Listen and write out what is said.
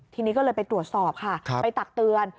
ทีนี้ก็เลยไปตรวจสอบค่ะไปตักเตือน